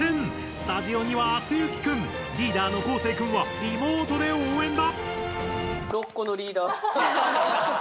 スタジオにはあつゆき君リーダーのこうせい君はリモートで応援だ！